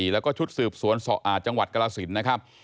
แล้วก็ชุดสืบสวนจังหวัดกรสินนะครับ